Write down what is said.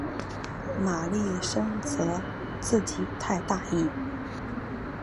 玛丽深责自己太大意。